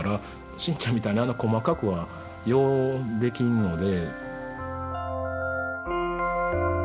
真ちゃんみたいにあんな細かくはようできんので。